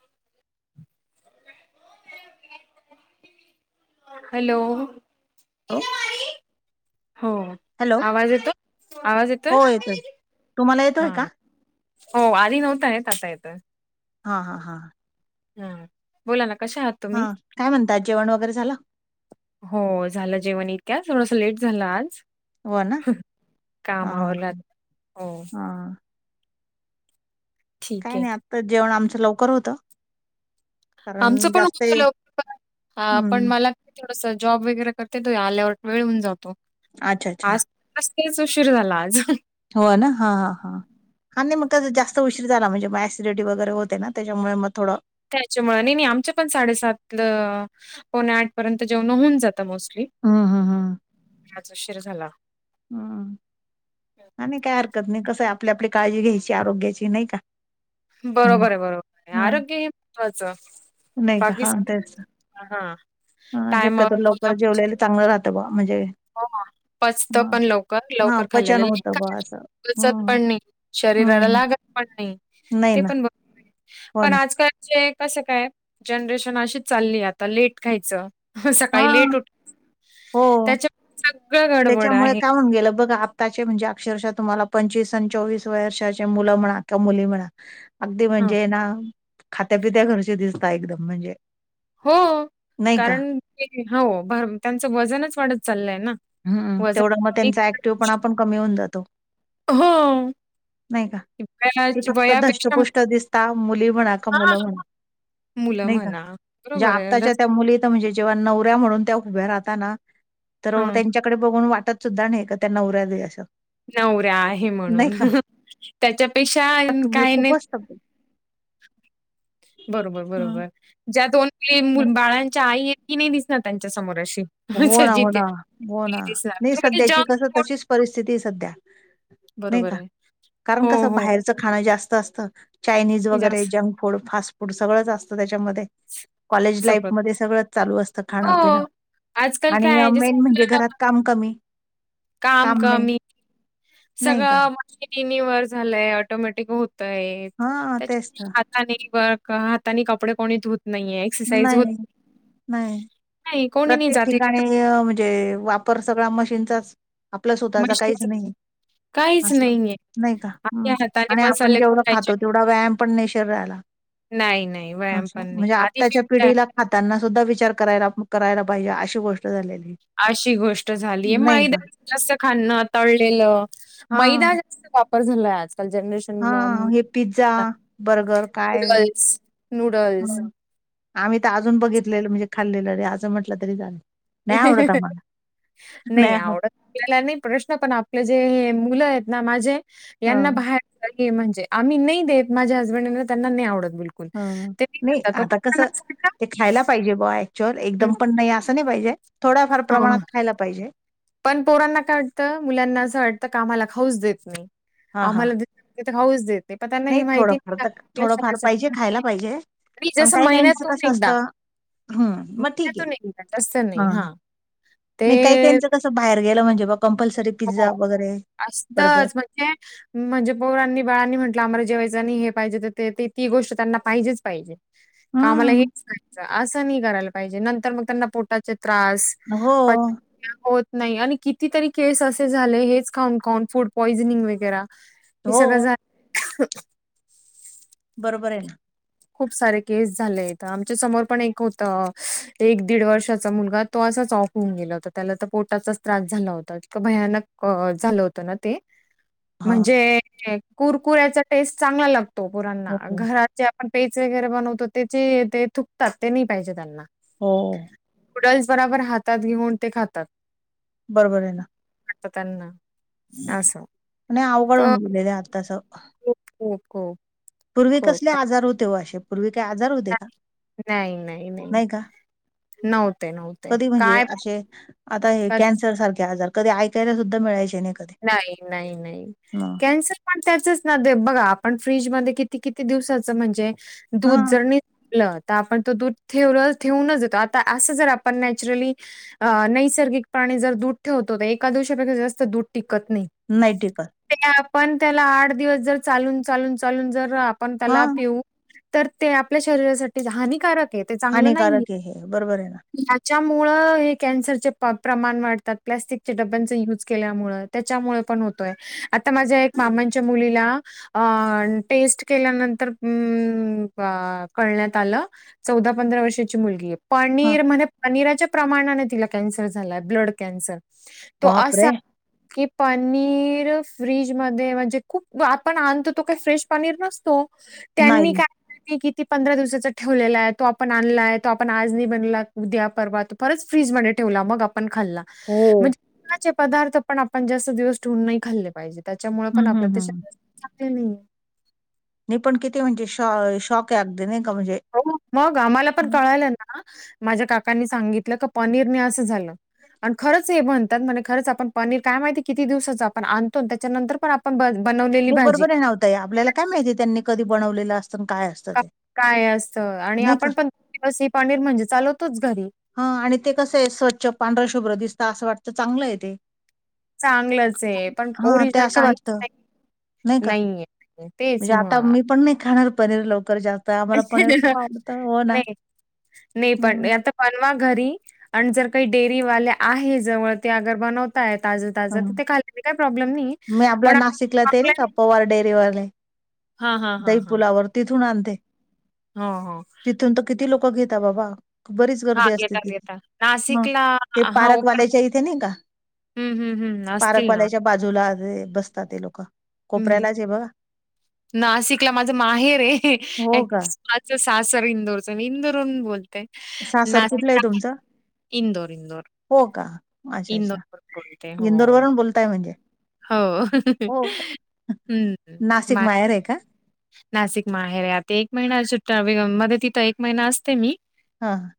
[inaudible] Hello hello हो hello आवाज येतो आवाज येतोय. तुम्हाला येतोय हा का. हो आधी नव्हतय आता येतं. हा हा हा हा बोला ना कशा आहात हा तुम्ही काय म्हणतात जेवण वगैरे झालं. हो झालं जेवण इतक्या थोडस लेट झालं आज हो ना हां कामा आलरलयात हां हो, हां ठीक काय आहे नाही आत्ता जेवण आमचं लवकर होत. आमचं पण होतं लवकर हा पण हं मला, थोडस जॉब वगैरे करते तो आल्यावर वेळ होऊन जातो. अच्छा अच्छा मस्तेच उशीर झाला आज, हो ना हा हा हा आणि नाही मग त्या जास्त उशीरी झाला म्हणजे मग असिडिटी वगैरे होते ना त्याच्यामुळे मग थोडं. त्याच्यामुळे नाही नाही आमच्या पण साडेसात ल पणे आठ पर्यंत जेवण होऊन जात. मोस्टली हं हं राज शर झाला. हम आणि नाही काय हरकत नाही कसं आपली आपली काळजी घ्यायची आरोग्याची नाही का, हं बरोबर आहे बरोबर आहे हां आरोग्य हे महत्त्वाचं, नाही का बाकी हा सगळं तेच हां. हा हेत टायमावर खाल्लं लवकर म्हणजे जेवलेल, चांगलं राहतं बा म्हणजे, हो पचत हां पण लवकर हा लवकर पचन खाल्लेलं, होतं बा असं पचत हम्म पण नाही शरीराला हम्म लागत पण नाही. नाही ते ना पण बरोबर आहे. हो पण ना आजकाल, म्हणे कसं काय जनरेशन अशीच चालली आता लेट खायचं हा सकाळी लेट उठ, हो त्याच्यामुळे सगळं गडबड त्याच्यामुळे आहे. काय होन गेलं बघ आप, त्याचे म्हणजे अक्षरशः तुम्हाला पंचवीस आणि चोवीस वर्षाचे मुलं म्हणा किंवा मुली म्हणा, अगदी हं, म्हणजे ना खात्यापित्या घरचे दिसत एकदम म्हणजे. हो नाही का कारण किती हा हो फार त्यांचं वजनच वाढत चाललंय ना. हम्म वजन तेवढं मग कमी त्यांचा करणं ऍक्टिव्हपणा पण कमी होऊन जातो. हो, नाही का ती वयाच फक्त वयापेक्षा दष्टपुष्टठ दिसता मुली म्हणा का हां, मुलं म्हणा. मुलं नाही का म्हणा. जे बरोबर आहे. आताच्या दस त्या मुलीत. आत्ता म्हणजे जेव्हा नवऱ्या म्हणून त्या उभ्या राहात ना तर हं, त्यांच्याकडे बघून वाटत. सुद्धा नाही का त्यांना उऱ्या जाई असं. नवऱ्या आहे म्हणून नाही का त्याच्यापेक्षा काही नाही. सभ्य. बरोबर बरोबर ज्या दोन तीन मु बाळांच्या आई, कि नाही दिसणार त्यांच्या समोर अशी. हो अच्छा ना जी हो ना त्या हो ना ती दिसणार. नाही बरोबर आहे. सध्याची जंक कस फूड तशीच परिस्थिती सध्या. नाही बरोबर का आहे. कारण हो, कस हो. बाहेर. त खाणं जास्त असत चायनीज वगैरे जास्तच जंक फूड फास्ट फूड सगळंच असतं त्याच्यामध्ये. कॉलेज लाईफ सगळं. मध्ये सगळं चालू असतं खाणपिण. हो. आजकाल आणि काय आहे, जसं मेन म्हणजे मुलांना घरात पण काम कमी. काम कमी नाही का? सगळं. रिनिवर झालंय ऑटोमॅटिक होतय हां, तेच त्याच्या तर. आता. खालीवर का हाता हातानी कपडे कोणी धुत नाहीये. एक्सरसाइज होत नाही नाही. नाही कोणी नाही प्रत्येक जात ठिकाणी म्हणजे वापर सगळा मशीनचाच आपल्या स्वतःचा काहीच मशीनच नाही. काहीच अस नाहीये. नाही का ह आपल्या हाताने आणि आपण मसाले जेवढं कुटायचे. खातो तेवढा व्यायाम पण नाही शरीराला. नाही, नाही व्यायाम अच्छा पण नाही. म्हणजे आधी आत्ताच्या फिरताय पिढीला. हातांना सुद्धा विचार करायला करायला पाहिजे अशी गोष्ट. झालेली आहे. अशी गोष्ट झालीय नाही का मैदा जास्त खाना तळलेलं हां मैदा जास्त. वापर झालाय आज. जनरेशन म हां हे पिझ्झा, बर्गर काय नूडल्स नूडल्स. हं आम्ही तर अजून बघितलेलं म्हणजे खाल्लेलं रे असजं म्हटलं तरी झालं. नाही आवडता म्हाला नाही्या. आपला नाही प्रश्न पण आपले जे मुलं आहेत ना माझे यांना हं बाहेर. आणखी म्हणजे आम्ही नाही देत माझ्या हसबंडना त्यांना नाही आवत बिलकु. हं त नाही आता कसं [inaudible] ते खायला पाहिजे ब ऍक्च्युअल एकदम पण नाही असं नाही पाहिजे थोड्याफार प्रमाणात खायला पाहिजे. पण पोरांना काय वाटतं मुलांना असं वाटतं का आम्हाला खाऊच देत नाही हां हां. आम्हाला. तिथ खाऊस देत. पण त्यांना हे नाही माहिती थोडंफार का तर आपल्या थोडंफार शरीरासाठी पाहिजे खायला चांगलं नाही. पाहिजे. आणि पण जसं काय काईमचं महिन्यातून कसं एकदा असतं. हम्म मग ठीक आहे महिन्यातून एकदा जास्त नाही हा. हां. म काही ते काहीच कसं बाहेर गेलं म्हणजे बा कंपल्सरी हो पिझ्झा वगैरे बर्गर. असतंच म्हणजे म्हणजे पौरांनी बाळांनी म्हटलं आम्हाला जेवायचं आणि हे पाहिजे तर ते ती गोष्ट त्यांना पाहिजेच पाहिजे. कामाला हम्म हेच असं नाही करायला पाहिजे नंतर मग त्यांना पोटाचे त्रास. हो, पचन होत नाही आणि कितीतरी केस असे झाले हेच खाऊन खाऊन फूड पॉइजनिंग वगैरे. हे हो सगळं झा बरोबर आहे ना खूप सारे केस झाले आहेत आमच्या समोर पण एक होत एक दीड वर्षाचा मुलगा तो असाच ऑफ होऊन गेलं होत त्याला तर पोटाचाच त्रास झाला होता इतकं भयानक झालं होत ते हा म्हणजे कुरकुऱ्याचा टेस्ट चांगला लागतो तो हो पुरांना हो घरात जे आपण पेच वगैरे बनवतो त्याचे ते थुकतात ते नाही पाहिजे त्यांना हो नूडल्स बरोबर हातात घेऊन ते खातात बरोबर आहे ना वा त्यांना असं आणि अवघडूनन उलेले आत्तास ओको पूर्वी कसले आजार होते व अशे पूर्वी काय आजार होते का नाही का नव्हते, नव्हते कधी म्हणजे काय असे आता हे कॅन्सर सारखे आजार कधी ऐकायला सुद्धा मिळाय नाही कधी नाही नाही नाही कॅन्सर पण त्याचच ना दे बघा आपण फ्रीजमध्ये किती किती दिवसाचं म्हणजे दूध हा जरलं तर आपण तो दूर ठेव ठेवूनच देतो आता असं जर आपण नॅचरली. अ नैसर्गिक प्राणी जर दूध ठेवतो तर एका दिवशीपेक्षा जास्त दूध टिकत नाही. नाहीटिकल. ते आपण त्याला आठ दिवस जर चालून चालून चालून जर आपण त्याला हा पिऊ. तर ते आपल्या शरीरासाठी हानिकारक आहे ते चांगलं नाहीये. हानिकारक बरोबर आहे ना. याच्यामुळं हे कॅन्सरचे प्रमाण वाढतात प्लॅस्टिक डब्यांच युज केल्यामुळे. त्याच्यामुळे पण होतोय आता माझ्या एक मामांच्या मुलीला. अ टेस्ट केल्यानंतर कळण्यात आलं. ौदा पंधरा वर्षाची मुलगी आहे. हा पनीर म्हण पनीराच्या प्रमाणाने तिला कॅन्सर झालाय ब्लड कॅन्सर तो बाप असा. रे की पनीर फ्री्रीजमध्येध्ये म्हणजे खूप आपण आणतो तो काय फ्रेश पनीर न. नाही त्यांनी काय क पंधरा दिवसा ठेवलेला आहे तो आपण आणलाय तो आपण आज ब मला उद्या परवा तू परत फ्रिजमध्ये ठेवला मग आपण खाल्ला हो चे पदार्थ. पण आपण जास्त दिवस ठेऊन नाही खाल्ले पाहिजे त्याच्यामुळे पण हम्म आपल्या हम्म ते हम्म शगले नाहीये. नि पण किती म्हणजे श शॉक आहे अगदी नाही का म्हणजे. हो मग आम्हाला पण हं. कळालं ना माझ्या काकांनी सांगितलं का पनीर मी असं झालं. आणि खरंच हे म्हणतात म्हण खरंच आपण पनीर काय माहिती किती दिवसाच आपण आणतो त्याच्यानंतर पण. आप बनवले. नाही बरोबर आहे नव्हतय आपल्याला काय माहितीय त्यांनी कधी बनवलेलं असतं काय असतं. ते काय असतं आणि नाही का आपण पं दिवस ही पनीर म्हणजे चालवतोच घरी. हा आणि ते कसं आहे स्वच्छ पांढर शुभ्र दिसत असं वाटतं चांगलं आहे ते. चांगलंच आहे पण हा ते ओरिजिनल असं काहीच वाटतं. नाही नाही का नाहीये तेच म्हणजे आता मग. मी पण नाही खाणार पनीर लवकर जास्त. आम्हाला पनीर खूप आवडतं हो ना नाही नाही पण हं आता. पनवा घरी आणि जर काही डेअरी वाल्या आहे जवळ ते अगर बनवत. ता हं. ता खा का प्रॉब्लेम नाही मी आपल्या पण. नाशिकला ते नाही का पवार डेअरीवाले हां हां हां दही हन. पुलावर तिथून आणते. हो हो. तिथून तर किती लोकं घेता बाबा. बरीच हां गर्दी असते येतात तिथ, येतात हं नाशिकला ते हां पारकवाल्याच्या इथे नाही का? हम्म हम्म हम्म. असतील ना पारकवाल्या्याच्या बाजूला जे बसता ते लोकं हम्म, कोपऱ्यालाच आहे बघा. नासिकला माझ माहेर ये हं हो का? आच सासर इंदूरच, मी इंदूर बोल ते, सासर कुठलं नासिक आहे [unintelligible] तुमचं? इंदोर इंदोर. हो का? अच्छा अच्छा, इंदोरवरून बोलते. इंदोर हो. वरून बोलताय म्हणजे, हो. हो का? हं. नासिक माहेर ये का? नासिक माहेर ये, आता एक महिना सुट्या मध्ये तिथं एक महिना असते मी. हां.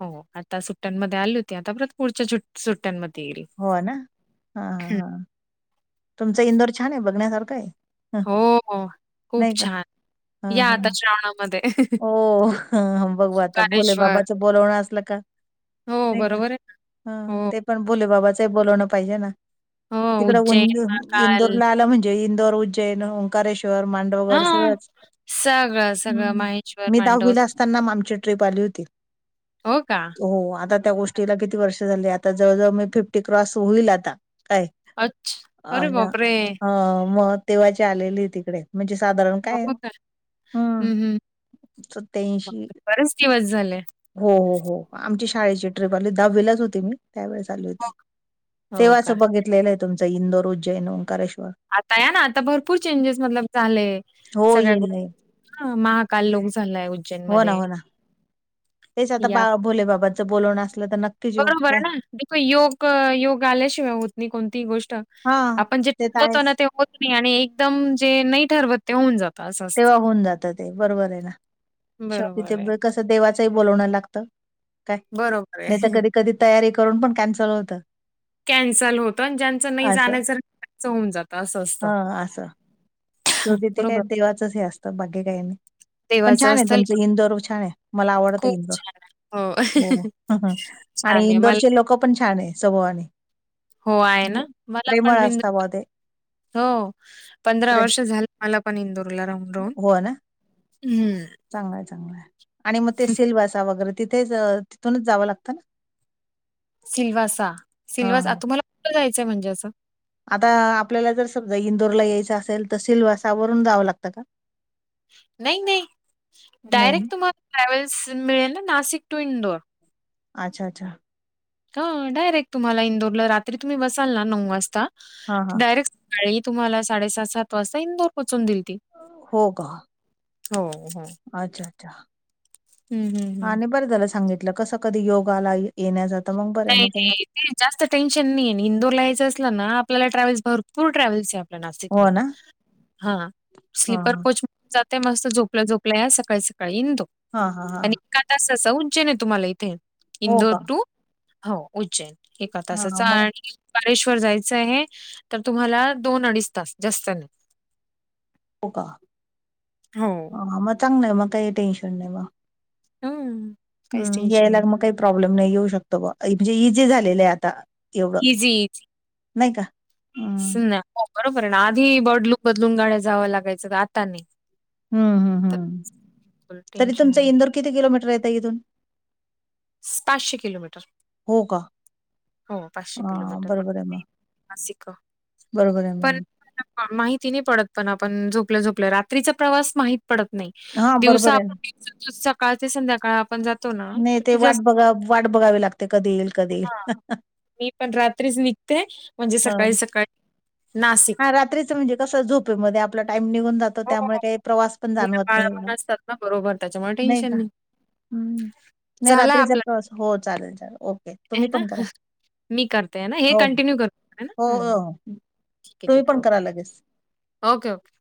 हो आता सुट्ट्यांमध्ये आली होती, आता परत पुढच्या चू-सुट्ट्यांमध्ये येईल. हो ना, हा हा हं. हां. तुमचं इंदोर छान ये, बघण्यासारखं ये. हो हॊ खूप छान. हं या आता हं श्रावणामध्ये. हो ह बघू आता, भोले ओंकारेश्वर. बाबाचं बोलवणं असलं का. हो, नही का? बरोबर आहे ना. हा हो, ते पण बोले बाबाचं बोलवणं पाहिजे ना, हो. तिकड उं उज्जैन, महाकाल. आलं म्हणजे इंदोर, उज्जैन, ओंकारेश्वर मा धवडच हां. सगळंच, सगळं, सगळं माहेश्वर, मी मांडव दहावीला असताना आमची ट्रिप आली होती. हो का? हो आता त्या गोष्टीला किती वर्ष झाली आता, जवळ-जवळ मी फिफ्टी क्रॉस होईल आता, काय? अच्छ अ अरे या बापरे! हं म तेव्हाची आलेली तिकडे, म्हणजे साधारण काय? हो का? हम्म, हं, हं. सत्याऐंशी. बापरे! बरेच दिवस झाले. हो हो हो आमची शाळेची ट्रिप आली ती, दहावीलाच होते मी. त्यावेळेस आली हो होती, का? हो तेव्हांच का? बघितलेलं आहे तुमचं इंदोर, उज्जैन, ओंकारेश्वर. आता या ना, आता भरपूर चेंजेस मतलब झाले, हो सगळ्या गो येईल नाही हा महाकाल लोक चाललाय हो ना उज्जैनमध्ये. हो ना तेच आता बा भोलेबाबा चं बोलवणं असलं तर न बरोबरे ना? देखो योग-योग आल्याशिवाय होत नाही कोणतीही गोष्ट. हा आपण जे ते तर ठरवतो ना आहेच ते होत नाही, आणि एकदम जे नाही ठरवत ते होऊन जातं असं. तेव्हा असतं. होऊन जात ते, बरोबरे ना शेवटी [unintelligible] बरोबर आहे. ते कसं तं, देवाचही बोलवणं लागत, काय, बरोबर नाही तर आहे. कधी-कधी तयारी करून पण कॅन्सल होतं. कॅन्सल होतं, अन ज्यांचं नही असं जाण्याचं त्याचं होऊन जात असं असतं. हं असं शेवटी ते काय बरोबर. देवाचचं हे असतं, बाकी काही नई. पण देवाचं छान ये असतं तुमचं लिहून. इंदौर छान ये, मला आवडतं खूप इंदौर, छान आहे. हो. बोला हं ह छान आणि आहे. मला इंदौरचे लोक पण छाने स्वभावाने. हो, आहे नं, ना. मला प्रेमळ पण इंदूर असता बो ते. हो पंधरा प्रेम वर्ष झालं, मला पण इंदौरला राहून-राहून, हम्म. चांगलाय चांगलाय, आणि मग ते सिलवासा वगैरे तिथेच तिथूनच जावं लागतं ना. सिल्वासा, हा सिल्वा तुम्हाला कुठं जायचंय म्हणजे असं? आता आपल्याला जर समजा इंदौरला यायचं असेल तर सिल्वासावरून जावं लागतं का? नाही नाही, नाही ना? डायरेक्ट तुम्हाला ट्रॅवल्स मिळेल ना नाशिक टू इंदौर. अच्छा! अच्छा! हा डायरेक्ट तुम्हाला इंदौरला रात्री तुम्ही बसाल ना नऊ वाजता हां, हां. डायरेक्ट सकाळी तुम्हाला साडेसहा-सात वाजता इंदौर पोचून दिल ती. हो का? हो हो. अच्छा! अच्छा! हं, हं, हं. आणि बरं झालं सांगितलं कसं कधी योग आला. येण्याचा मग बरं हाय न. आणि जास्त टेन्शन नाहीय, इंदौरला यायचं असलं ना आपल्याला ट्रॅव्हस भरपूर टॅव्हल्स आहेत. नाशिकने हो ना? हा हां, हां. स्लीपरकोच. जातंय मस्त झोपल्या-झोपल्या सकाळी-सकाळी इंदौर. हा हा हा. एका तासाचं उज्जैन आहे तुम्हाला इथे हो इंदौर का? टू. हो उज्जैन एका हां, तासाचं मग आणि. कालेश्वर जायचं आहे तर तुम्हाला दोन-अडीच तास जास्त नाही. हो का? हो. ह म चांगलं आहे मग काही टेन्शन नाही मं. हम्. हम् यायला मग काही प्रॉब्लेम नाही येऊ शकतो ब म्हणजे इझी झालेलं आहे आता. एवढं नाही का. हं, नाही हो बरोबर आहे ना आधी बडलुक बदलून गाड्या जावं लागायचं आता नाही. हम्म हम्म हम्म, तर तरी टेन्शन तुमचं नाही. इंदौर किती किलोमीटर ताई इथून? पाचशे किलोमीटर. हो का? हो पाचशे हा किलोमीटर बरोबर आहे पडते मग, नासिक बरोबर आहे पण मग. माहिती नाही पडत पण आपण झोपल्या-झोपल्या रात्रीचा प्रवास माहित पडत नाही हां, दिवसा बरोबर आप आहे ना. [inaudible] सकाळ ते संध्याकाळ आपण जात नाही ते वाट बघा वाट बघावी लागते कधी येईल कधी हा येईल. मी पण रात्रीच निघते म्हणजे सकाळी-सकाळी नासि रात्रीच म्हणजे कसं झोपेमध्ये आपला टाम निघून जात त हो त्यामुळं काही प्रवास पण मुलं जाणवत बाळ नाही एवढं पण असतात ना बरोबर त्याच्यामुळे नाही टेन्शन का. हम्म नाही झालाय रात्रीचा प्रवास हो चालेल चालेल ओके. हे तुम्ही ना पण करा. मी करते आहे ना हे हो, हो. कंटिन्यू करू हे ना हो, हम्म हो. ठीके तुम्ही ठीके पण करा ओके लगेच. Okay okay.